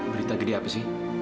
berita gede apa sih